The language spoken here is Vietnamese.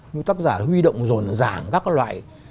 các tác giả huy động dồn dàng các loại